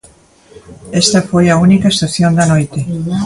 Esta foi a única excepción da noite.